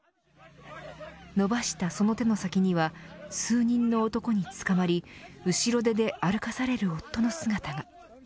伸ばしたその手の先には数人の男に捕まり後ろ手で歩かされる夫の姿が。